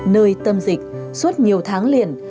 nơi tâm dịch suốt nhiều tháng liền